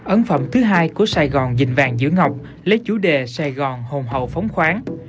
ấn phẩm thứ hai của sài gòn dình vàng giữa ngọc lấy chủ đề sài gòn hồn hậu phóng khoáng